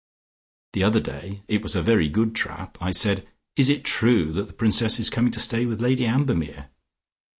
The other day it was a very good trap I said, 'Is it true that the Princess is coming to stay with Lady Ambermere?'